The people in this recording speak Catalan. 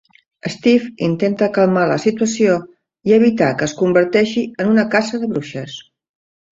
Steve intenta calmar la situació i evitar que es converteixi en una caça de bruixes.